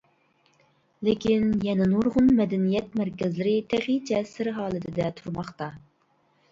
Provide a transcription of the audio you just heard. لېكىن يەنە نۇرغۇن مەدەنىيەت مەركەزلىرى تېخىچە سىر ھالىتىدە تۇرماقتا.